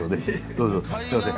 どうぞすいません。